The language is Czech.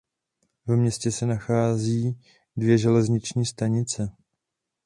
Ve městě se nachází dvě železniční stanice.